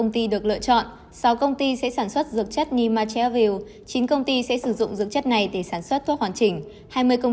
trong cái việc giảm tiểu tử văng